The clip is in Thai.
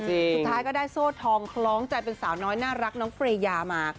สุดท้ายก็ได้โซ่ทองคล้องใจเป็นสาวน้อยน่ารักน้องเฟรยามา